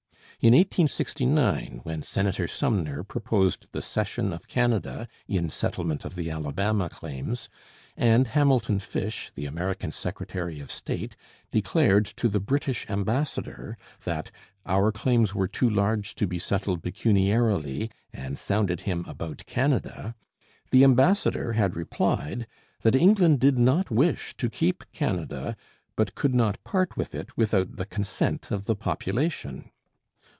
In 1869, when Senator Sumner proposed the cession of Canada in settlement of the Alabama claims, and Hamilton Fish, the American secretary of state, declared to the British ambassador that 'our claims were too large to be settled pecuniarily and sounded him about Canada,' the ambassador had replied that 'England did not wish to keep Canada, but could not part with it without the consent of the population.'